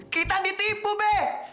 kita ditipu be